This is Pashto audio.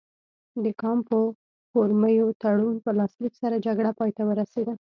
د کامپو فورمیو تړون په لاسلیک سره جګړه پای ته ورسېده.